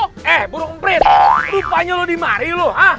eh burung mprit rupanya lo di mari lo ha